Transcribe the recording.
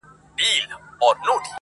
دپښتون په تور وهلی هر دوران دی،